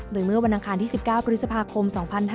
ด้วยเมื่อวันอังคาร๑๙พฤษภาคม๒๕๑๓